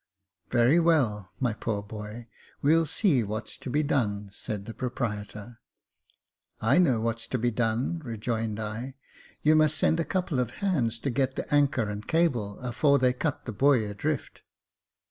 " Very well, my poor boy, we'll see what's to be done," said the proprietor. "I know what's to be done," rejoined I; "you must send a couple of hands to get the anchor and cable, afore they cut the buoy adrift."